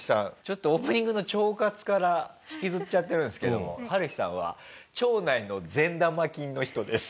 オープニングの腸活から引きずっちゃってるんですけどもハルヒさんは町内の善玉菌の人です。